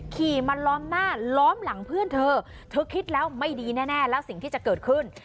ขี่มาล้อมหน้าล้อมหลังเพื่อนเธอเธอคิดแล้วไม่ดีแน่แล้วสิ่งที่จะเกิดขึ้น